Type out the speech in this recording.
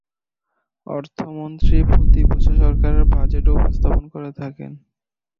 অর্থমন্ত্রী প্রতি বছর সরকারের বাজেট উপস্থাপন করে থাকেন।